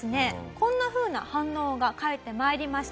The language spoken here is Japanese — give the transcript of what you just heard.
こんなふうな反応が返って参りました。